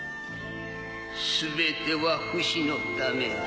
全ては不死のためだ。